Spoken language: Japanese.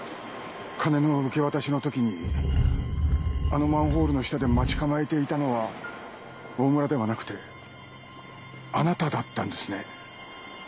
金の受け渡しのときにあのマンホールの下で待ち構えていたのはオオムラではなくてあなただったんですね？